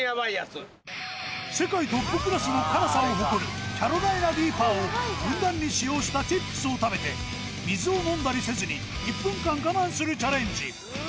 世界トップクラスの辛さを誇るキャロライナリーパーをふんだんに使用したチップスを食べて水を飲んだりせずに１分間我慢するチャレンジ